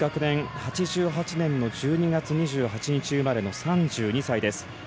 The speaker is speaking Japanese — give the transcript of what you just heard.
８８年の１２月２８日生まれの３２歳です。